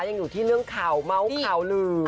ยังอยู่ที่เรื่องข่าวเมาส์ข่าวลือ